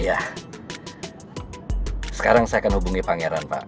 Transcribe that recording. ya sekarang saya akan hubungi pangeran pak